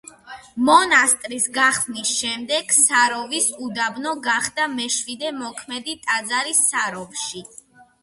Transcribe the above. მონასტრის გახსნის შემდეგ საროვის უდაბნო გახდა მეშვიდე მოქმედი ტაძარი საროვში.